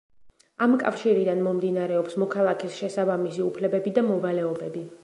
ამ კავშირიდან მომდინარეობს მოქალაქის შესაბამისი უფლებები და მოვალეობები.